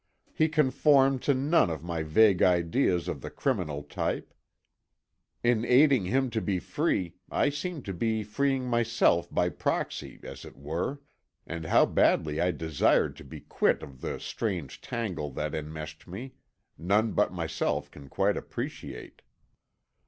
He conformed to none of my vague ideas of the criminal type. In aiding him to be free I seemed to be freeing myself by proxy, as it were; and how badly I desired to be quit of the strange tangle that enmeshed me, none but myself can quite appreciate.